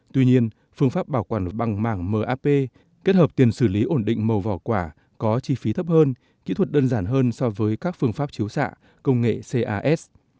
tuy nhiên phương pháp bảo quản bằng mảng map kết hợp tiền xử lý ổn định màu vỏ quả có chi phí thấp hơn kỹ thuật đơn giản hơn so với các phương pháp chiếu xạ công nghệ cas